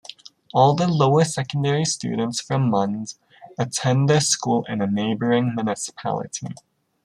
All the lower secondary students from Mund attend their school in a neighboring municipality.